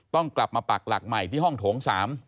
ต้องกลับมาปักหลักใหม่ที่ห้องโถง๓